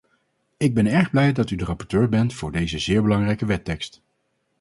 Ik ben erg blij dat u de rapporteur bent voor deze zeer belangrijke wetstekst.